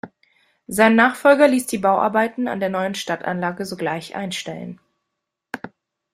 Sein Nachfolger ließ die Bauarbeiten an der neuen Stadtanlage sogleich einstellen.